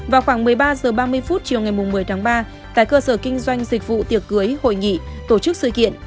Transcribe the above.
vào khoảng một mươi ba h ba mươi chiều ngày một mươi tháng ba tại cơ sở kinh doanh dịch vụ tiệc cưới hội nghị tổ chức sự kiện